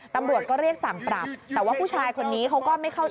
ตำรวจก็เรียกสั่งปรับแต่ว่าผู้ชายคนนี้เขาก็ไม่เข้าใจ